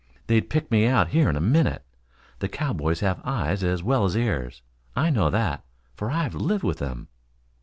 They'd pick me out here in a minute. The cowboys have eyes as well as ears. I know that, for I've lived with them."